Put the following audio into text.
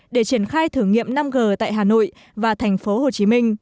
để triển khai thử nghiệm năm g tại hà nội